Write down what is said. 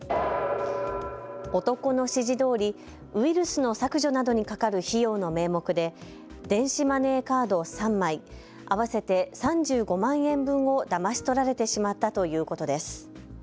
男の指示どおり、ウイルスの削除などにかかる費用の名目で電子マネーカード３枚、合わせて３５万円分をだまし取られてしまったということです。